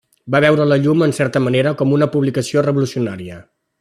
Va veure la llum en certa manera com una publicació revolucionària.